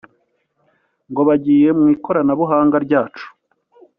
ngo bagiye mu ikoranabuhanga ryacu